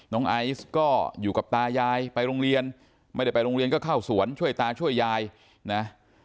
ไอซ์ก็อยู่กับตายายไปโรงเรียนไม่ได้ไปโรงเรียนก็เข้าสวนช่วยตาช่วยยายนะ